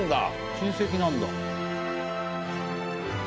親戚なんだ。